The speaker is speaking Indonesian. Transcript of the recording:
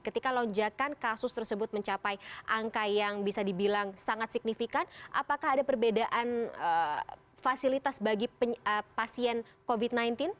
ketika lonjakan kasus tersebut mencapai angka yang bisa dibilang sangat signifikan apakah ada perbedaan fasilitas bagi pasien covid sembilan belas